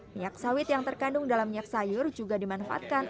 minyak sawit yang terkandung dalam minyak sayur juga dimanfaatkan